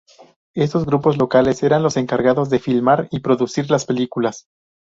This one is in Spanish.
Estos grupos locales eran los encargados de filmar y producir las películas.